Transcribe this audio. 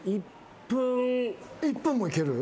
１分もいける？